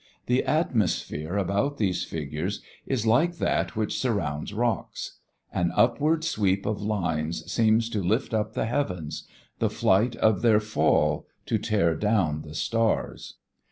The atmosphere about these figures is like that which surrounds rocks. An upward sweep of lines seems to lift up the heavens, the flight of their fall to tear down the stars.